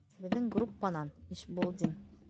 Беҙҙең группанан, Ишбулдин.